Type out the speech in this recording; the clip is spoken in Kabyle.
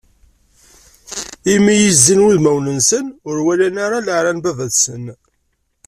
Imi i zzin wudmawen-nsen, ur walan ara leɛra n baba-tsen.